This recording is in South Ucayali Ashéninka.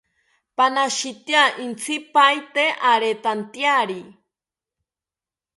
Panashitya intzipaete aretantyari